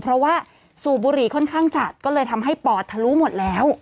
เพราะว่าสูบบุหรี่ค่อนข้างจัดก็เลยทำให้ปอดทะลุหมดแล้ว